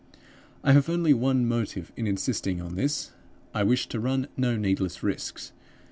I have only one motive in insisting on this; I wish to run no needless risks.